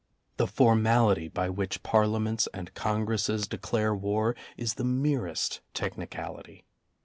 The formality by which Par liaments and Congresses declare war is the merest technicality.